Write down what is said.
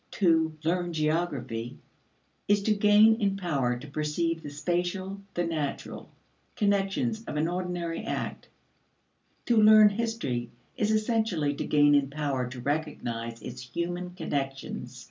To "learn geography" is to gain in power to perceive the spatial, the natural, connections of an ordinary act; to "learn history" is essentially to gain in power to recognize its human connections.